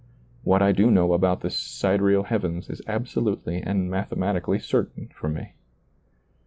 What I do know about the si dereal heavens is absolutely and mathematically certain for me.